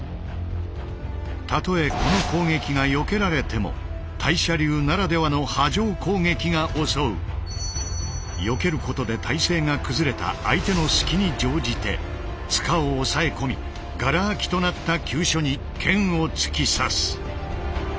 たとえこの攻撃がよけられてもタイ捨流ならではのよけることで体勢が崩れた相手の隙に乗じて柄を押さえ込みがら空きとなった急所に剣を突き刺す。